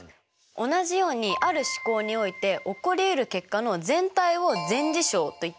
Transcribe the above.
同じようにある試行において起こりうる結果の全体を全事象といってＵで表したりします。